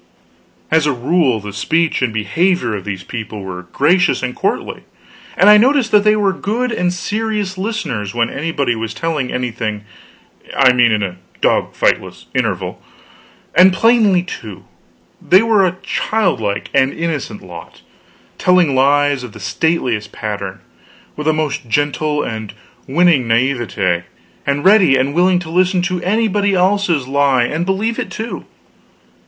As a rule, the speech and behavior of these people were gracious and courtly; and I noticed that they were good and serious listeners when anybody was telling anything I mean in a dog fightless interval. And plainly, too, they were a childlike and innocent lot; telling lies of the stateliest pattern with a most gentle and winning naivety, and ready and willing to listen to anybody else's lie, and believe it, too.